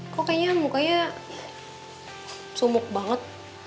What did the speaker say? kok kayaknya mukanya sumuk banget